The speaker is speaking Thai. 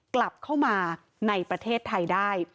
กลับเข้ามาในประเทศไทยได้